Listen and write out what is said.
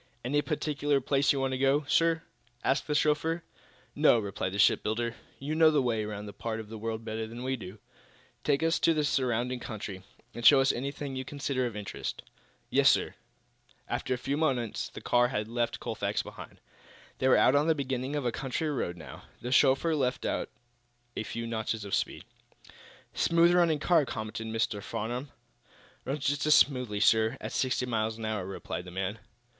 "Any particular place you want to go, sir?" asked the chauffeur. "No," replied the shipbuilder. "You know the way around this part of the world better than we do. Take us out into the surrounding country, and show us anything you consider of interest." "Yes, sir." After a few minutes the car had left Colfax behind. They were out on the beginning of a country road, now. The chauffeur let out a few notches of speed. "Smooth running car," commented Mr. Farnum. "Runs just as smoothly, sir, at sixty miles an hour," replied the man.